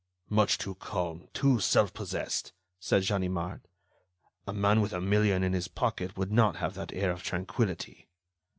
"Much too calm, too self possessed," said Ganimard. "A man with a million in his pocket would not have that air of tranquillity."